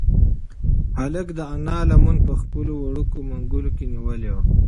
هلک د انا لمن په خپلو وړوکو منگولو کې نیولې وه.